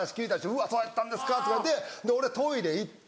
うわそうやったんですか！とか言ってで俺トイレ行った。